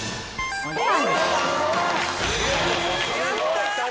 すごい。